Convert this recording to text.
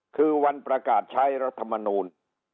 คือวันประกาศใช้รัฐมนูล